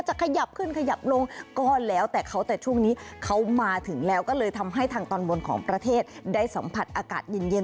ขยับขึ้นขยับลงก็แล้วแต่เขาแต่ช่วงนี้เขามาถึงแล้วก็เลยทำให้ทางตอนบนของประเทศได้สัมผัสอากาศเย็นเย็น